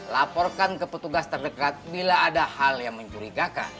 laporkan ke petugas terdekat bila ada hal yang mencurigakan